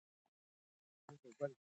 راتلونکی زموږ دی.